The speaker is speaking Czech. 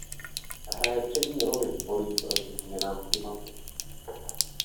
Hraje přední roli v boji proti změnám klimatu.